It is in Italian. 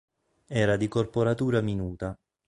Era di corporatura minuta.